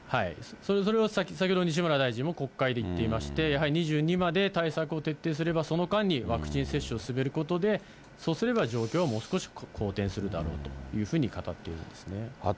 それは先ほど西村大臣も国会で言っていまして、やはり２２まで対策を徹底すれば、その間にワクチン接種を進めることで、そうすれば状況はもう少し好転するだろうというふうに語っているあと